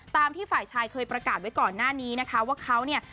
ที่ฝ่ายชายเคยประกาศไว้ก่อนหน้านี้นะคะว่าเขาเนี่ย